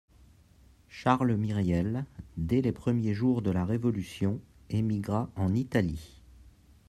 Charles Myriel, dès les premiers jours de la révolution, émigra en Italie